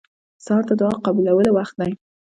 سهار د دعا قبولو وخت دی.